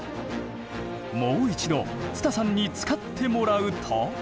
もう一度つたさんに使ってもらうと。